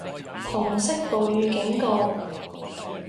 紅色暴雨警告